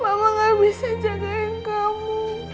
mama gak bisa jagain kamu